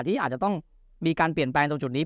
ที่อาจจะต้องมีการเปลี่ยนแปลงตรงจุดนี้